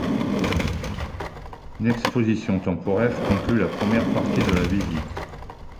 Une exposition temporaire conclut la première partie de la visite.